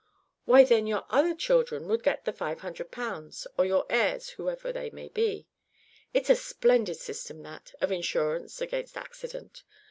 "Why, then, your other children would get the 500 pounds or your heirs, whoever they may be. It's a splendid system that, of insurance against accident.